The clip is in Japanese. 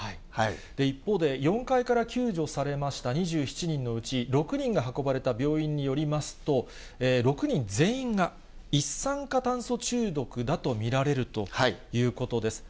一方で４階から救助されました２７人のうち、６人が運ばれた病院によりますと、６人全員が一酸化炭素中毒だと見られるということです。